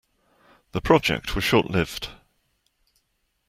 The project was short-lived.